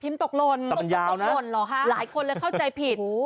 พิมพ์ตกหล่นหรอครับหลายคนเลยเข้าใจผิดหู้